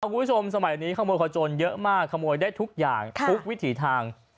คุณผู้ชมสมัยนี้ขโมยขโจนเยอะมากขโมยได้ทุกอย่างทุกวิถีทาง